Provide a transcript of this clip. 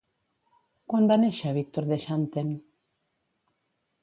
Quan va néixer Víctor de Xanten?